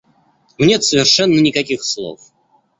Ну нет совершенно никаких слов.